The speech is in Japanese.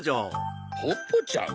・ポッポちゃん？